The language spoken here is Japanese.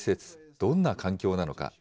どんな環境なのか。